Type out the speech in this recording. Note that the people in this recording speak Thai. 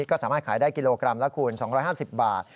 ก็สามารถขายได้กิโลกรัมละคูณ๒๕๐บาท